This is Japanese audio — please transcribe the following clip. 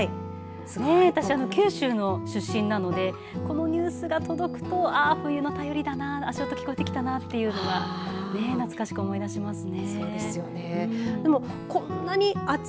私あの九州の出身なのでこのニュースが届くと、ああ冬の便りだな、足音聞こえてきたなというのは懐かしく思い出しますね。